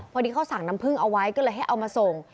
พอดีเขาสั่งน้ำพึ่งเอาไว้ก็เลยให้เอามาส่ง